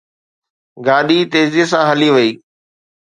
گاڏي تيزيءَ سان هلي وئي.